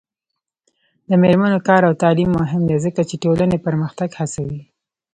د میرمنو کار او تعلیم مهم دی ځکه چې ټولنې پرمختګ هڅوي.